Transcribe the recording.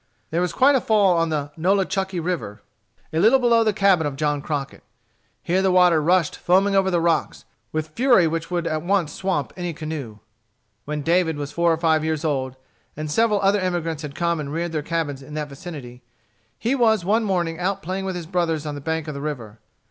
There was quite a fall on the Nolachucky River, a little below the cabin of John Crockett. Here the water rushed foaming over the rocks, with fury which would at once swamp any canoe. When David was four or five years old, and several other emigrants had come and reared their cabins in that vicinity, he was one morning out playing with his brothers on the bank of the river.